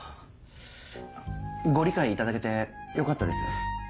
ご理解いただけてよかったです。